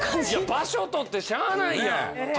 場所取ってしゃあないやん。